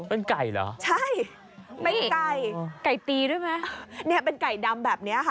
เป็นไก่เหรอใช่เป็นไก่ไก่ตีด้วยไหมเนี่ยเป็นไก่ดำแบบเนี้ยค่ะ